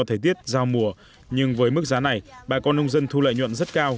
thời tiết giao mùa nhưng với mức giá này bà con nông dân thu lợi nhuận rất cao